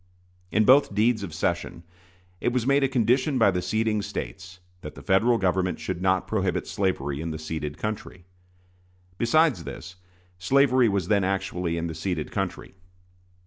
In both deeds of cession it was made a condition by the ceding States that the Federal Government should not prohibit slavery in the ceded country. Besides this, slavery was then actually in the ceded country.